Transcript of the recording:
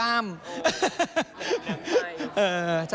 ไม่ต้องเลย